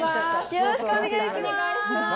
よろしくお願いします。